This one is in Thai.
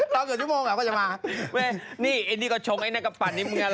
ต้องเกือบชั่วโมงอะก็จะมาไม่นี่ไอ้นี่ก็ชมไอ้นักกะปันนี้มึงอะไรนะ